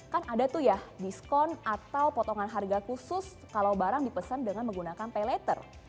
kan ada tuh ya diskon atau potongan harga khusus kalau barang dipesan dengan menggunakan pay later